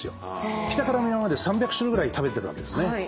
北から南まで３００種類ぐらい食べてるわけですね。